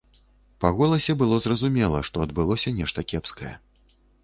Па голасе было зразумела, што адбылося нешта кепскае.